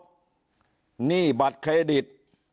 หนี้บัตรเครดิต